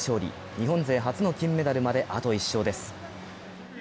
日本勢初の金メダルまであと１勝です。